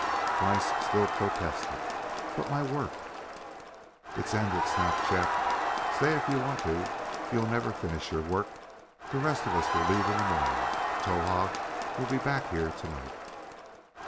Kreiss still protested. "But my work " "Is ended!" snapped Chet. "Stay if you want to; you'll never finish your work. The rest of us will leave in the morning. Towahg will be back here to night.